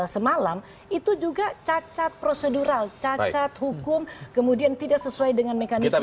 semalam itu juga cacat prosedural cacat hukum kemudian tidak sesuai dengan mekanisme